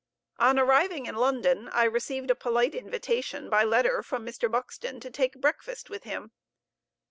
On arriving in London I received a polite invitation by letter from Mr. Buxton to take breakfast with him.